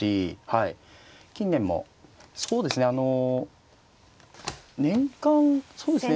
はい近年もそうですねあの年間そうですね